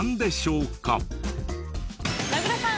名倉さん